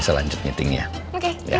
memang dikavicilin jangan berbicara